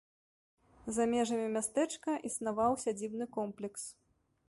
За межамі мястэчка існаваў сядзібны комплекс.